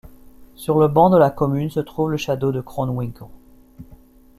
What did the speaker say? Sur le ban de la commune se trouve le château de Kronwinkl.